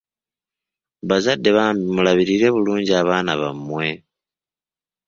Abazadde bambi mulabirire bulungi abaana bammwe.